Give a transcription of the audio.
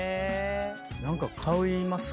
何か買います？